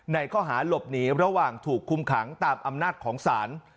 ข้อหาหลบหนีระหว่างถูกคุมขังตามอำนาจของศาล